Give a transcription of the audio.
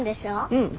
うん。